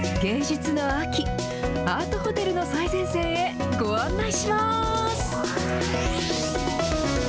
芸術の秋、アートホテルの最前線へ、ご案内します！